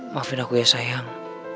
maafin aku ya sayang